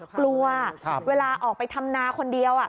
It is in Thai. กลัวเวลาออกไปทำนาคนเดียว